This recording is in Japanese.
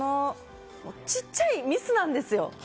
小っちゃいミスなんですよ。